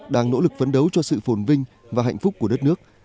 đang nỗ lực phấn đấu cho sự phồn vinh và hạnh phúc của đất nước